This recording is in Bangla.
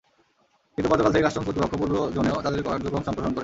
কিন্তু গতকাল থেকে কাস্টমস কর্তৃপক্ষ পূর্ব জোনেও তাদের কার্যক্রম সম্প্রসারণ করে।